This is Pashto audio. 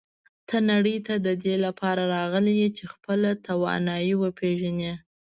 ته نړۍ ته د دې لپاره راغلی یې چې خپلې توانایی وپېژنې.